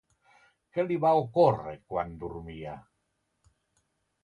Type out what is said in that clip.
Què li va ocórrer quan dormia?